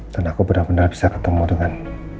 dan aku benar benar bisa ketemu dengan